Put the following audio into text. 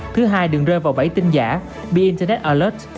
thứ hai đừng rơi vào bẫy tin giả be internet alert